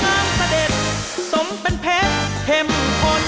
น้ำงานเสด็จสมเป็นเพชรเข็มขน